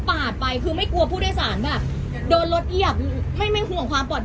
ปาดไปคือไม่กลัวผู้โดยสารแบบโดนรถเหยียบไม่ห่วงความปลอดภัย